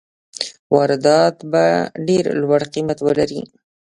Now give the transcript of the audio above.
واردات به ډېر لوړ قیمت ولري.